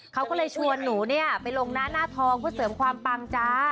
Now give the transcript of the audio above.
เค้าก็เลยชวนหนูไปลงหน้าทองเพื่อเสริมความปังจ้า